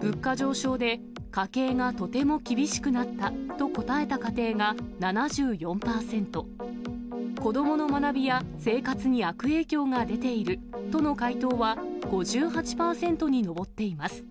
物価上昇で家計がとても厳しくなったと答えた家庭が７４％、子どもの学びや生活に悪影響が出ているとの回答は５８％に上っています。